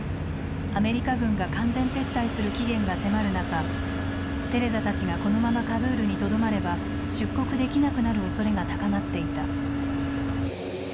アメリカ軍が完全撤退する期限が迫る中テレザたちがこのままカブールにとどまれば出国できなくなるおそれが高まっていた。